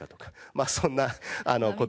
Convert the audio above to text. まあそんな事を。